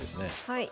はい。